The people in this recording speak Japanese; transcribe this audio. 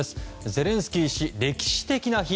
ゼレンスキー氏、歴史的な日。